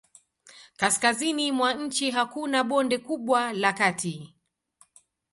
Kaskazini mwa nchi hakuna bonde kubwa la kati.